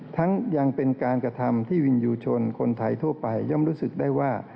ยังเป็นการกระทำที่วินยูชนคนไทยทั่วไปย่อมรู้สึกได้ว่า